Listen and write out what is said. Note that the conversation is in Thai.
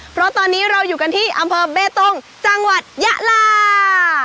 เพราะตอนนี้เราอยู่กันที่อำเภอเบตงจังหวัดยะลา